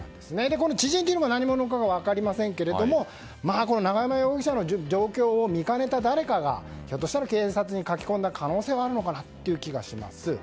この知人が何者かというのは分かりませんけども永山容疑者の状況を見かねた誰かがひょっとしたら警察に駆け込んだ可能性はあるのかなという気がします。